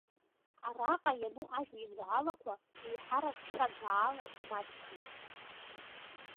Араҟа иану ажәеинраалақәа, еиҳарак шәагаала имаҷқәоуп.